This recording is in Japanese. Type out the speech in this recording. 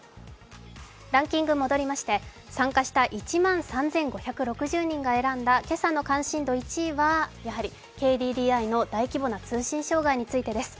ランキング戻りまして、参加した１万３５６０人が選んだ今朝の関心度１位はやはりＫＤＤＩの大規模な通信障害についてです。